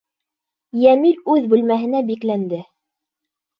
Йәмил үҙ бүлмәһенә бикләнде.